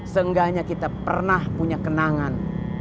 seenggaknya kita pernah punya kenangan